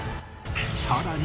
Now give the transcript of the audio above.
さらに